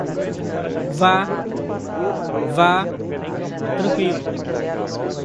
Vá, vá, tranqüilo.